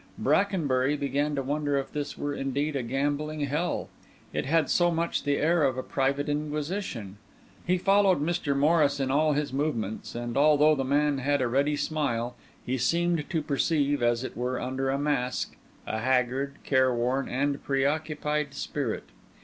Brackenbury began to wonder if this were indeed a gambling hell: it had so much the air of a private inquisition. He followed Mr. Morris in all his movements; and although the man had a ready smile, he seemed to perceive, as it were under a mask, a haggard, careworn, and preoccupied spirit.